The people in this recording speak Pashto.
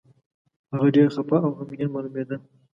هغه ډېر خپه او غمګين مالومېده.